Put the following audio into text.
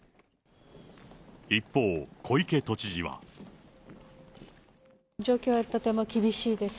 一方、小池都知事は。状況はとても厳しいです。